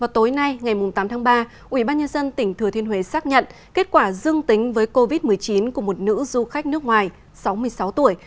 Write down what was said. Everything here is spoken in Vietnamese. tối nay ngày tám tháng ba ubnd tỉnh thừa thiên huế xác nhận kết quả dương tính với covid một mươi chín của một nữ du khách nước ngoài sáu mươi sáu tuổi